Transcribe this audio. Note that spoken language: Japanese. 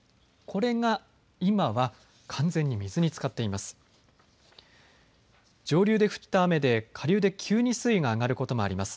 これが今は完全に水につかっています。